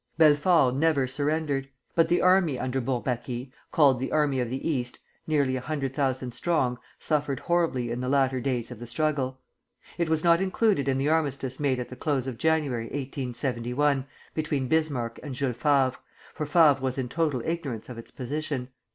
Belfort never surrendered. But the army under Bourbaki, called the Army of the East, nearly a hundred thousand strong, suffered horribly in the latter days of the struggle. It was not included in the armistice made at the close of January, 1871, between Bismarck and Jules Favre, for Favre was in total ignorance of its position.